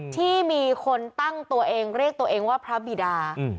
ที่มีคนตั้งตัวเองเรียกตัวเองว่าพระบิดา